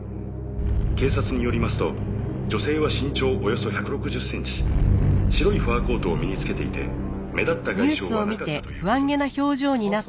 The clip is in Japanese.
「警察によりますと女性は身長およそ１６０センチ白いファーコートを身に着けていて目立った外傷はなかったという事です」